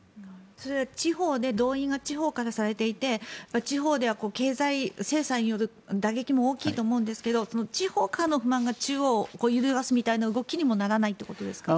それは動員が地方からされていて地方では経済制裁による打撃も大きいと思いますが地方からの不満が中央を揺るがすみたいな動きにもならないということですか？